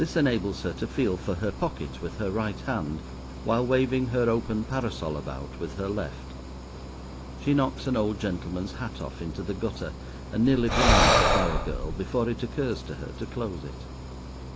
This enables her to feel for her pocket with her right hand, while waving her open parasol about with her left. She knocks an old gentleman's hat off into the gutter, and nearly blinds the flower girl before it occurs to her to close it.